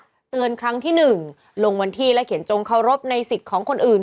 เตือนครั้งที่หนึ่งลงวันที่และเขียนจงเคารพในสิทธิ์ของคนอื่น